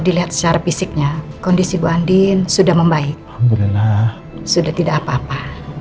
dilihat secara fisiknya kondisi bu andi sudah membaik sudah tidak apa apa